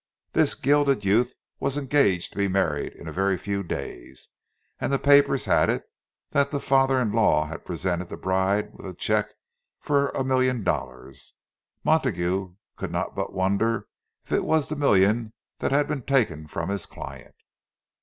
This gilded youth was engaged to be married in a very few days, and the papers had it that the father in law had presented the bride with a cheque for a million dollars. Montague could not but wonder if it was the million that had been taken from his client!